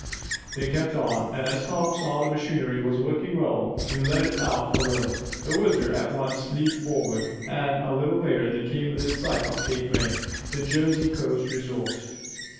They kept on, and as Tom saw that the machinery was working well, he let it out a little, The WHIZZER at once leaped forward, and, a little later they came within sight of Cape May, the Jersey coast resort.